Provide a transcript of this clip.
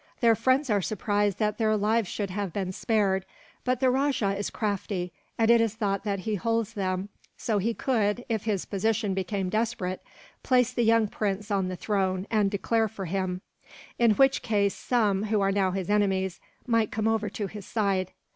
"Their friends are surprised that their lives should have been spared; but the rajah is crafty, and it is thought that he holds them so that he could, if his position became desperate, place the young prince on the throne and declare for him; in which case some, who are now his enemies, might come over to his side.